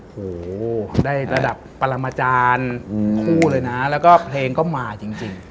โหได้ระดับปรมาจารย์คู่เลยนะแล้วก็เพลงก็มาจริง